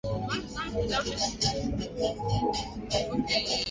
Kuanzia mwaka elfu moja mia tisa tisini na tano